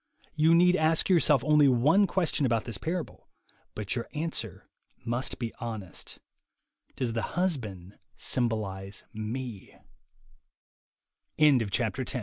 You need ask yourself only one question about this parable, but your answer must be honest: "Does the husband symboli